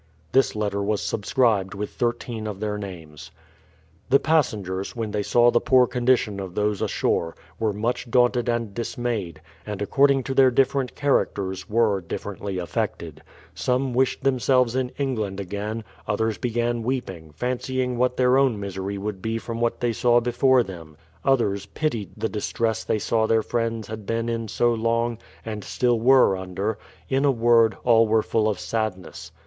This letter was subscribed with thirteen of their names». The passengers, when they saw the poor condition of those ashore, were much daunted and dismayed, and, ac cording to their different characters were, differently affected. Some wished themselves in England again; others began weeping, fancying what their own misery would be from what they saw before them; others pitied 124 BRADFORD'S HISTORY OF the distress they saw their friends had been in so long, and still were under; in a word, all were full of sadness.